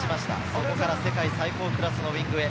そこから世界最高クラスのウイングへ。